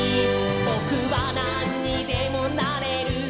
「ぼくはなんにでもなれる！」